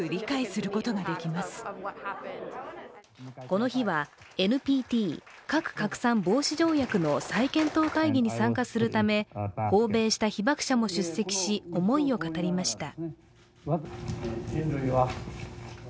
この日はＮＰＴ＝核拡散防止条約の再検討会議に参加するため訪米した被爆者も出席し思いを語りました。